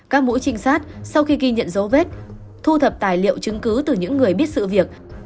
các mũi trinh sát sau khi ghi nhận dấu vết thu thập tài liệu chứng cứ từ những người biết sự việc